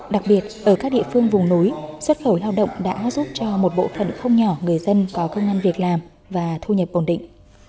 đặc biệt ở các địa phương vùng núi xuất khẩu lao động đã giúp cho một bộ phận không nhỏ người dân có công an việc làm và thu nhập ổn định